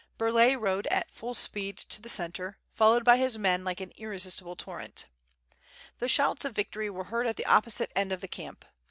Burlay rode at full speed to the centre, followed by his men like an irresistible torrent. The shouts of vic tory were heard at the opposite end of the camp.